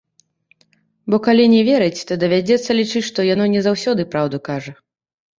Бо калі не верыць, то давядзецца лічыць, што яно не заўсёды праўду кажа.